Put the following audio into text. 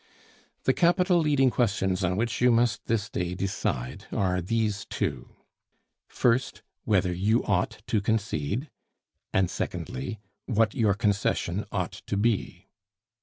The capital leading questions on which you must this day decide are these two: First, whether you ought to concede; and secondly, what your concession ought to be.